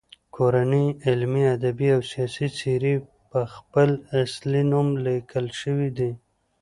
کورنۍ علمي، ادبي او سیاسي څیرې په خپل اصلي نوم لیکل شوي دي.